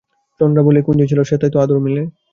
চন্দ্রাবলীর কুঞ্জে ছিলে, সেথায় তো আদর মিলে?